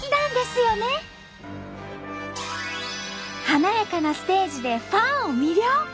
華やかなステージでファンを魅了！